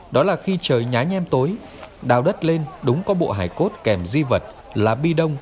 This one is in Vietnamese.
đó là khi trời nhái nhem tối đào đất lên đúng có bộ hải cốt kèm di vật là bi đông